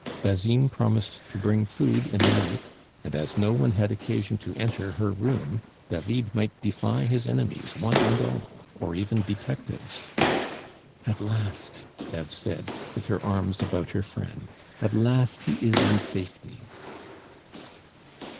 Basine promised to bring food in the night; and as no one had occasion to enter her room, David might defy his enemies one and all, or even detectives. "At last!" Eve said, with her arms about her friend, "at last he is in safety."